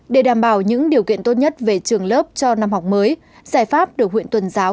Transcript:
để đảm bảo những điều kiện tốt nhất về trường lớp cho năm học mới giải pháp được huyện tuần giáo